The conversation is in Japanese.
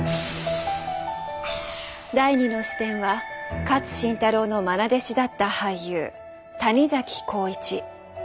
第２の視点は勝新太郎のまな弟子だった俳優谷崎弘一。